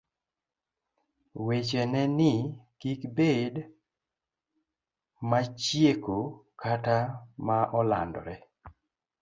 wecheneni kik bed machieko kata ma olandore.